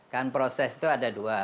kan proses itu ada dua